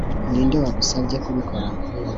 Ninde wagusabye kubikora